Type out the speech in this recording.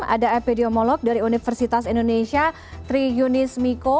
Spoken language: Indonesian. ada epidemiolog dari universitas indonesia tri yunis miko